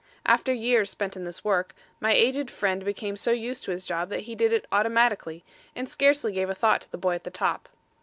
After years spent in this work, my aged friend became so used to his job that he did it automatically, and scarcely gave a thought to the boy at the top.